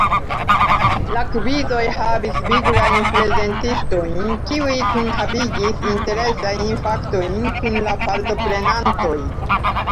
La kvizoj havis viglajn prezentistojn kiuj kunhavigis interesajn faktojn kun la partoprenantoj.